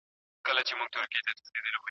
د پسونو رمه په چټکۍ سره کيږديو ته ورسېده.